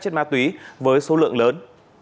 chất ma túy với số lượng lớn